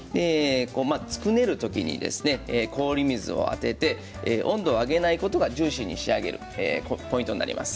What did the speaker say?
つくねる時に氷水を当てて温度を上げないことがジューシーに仕上げるポイントになります。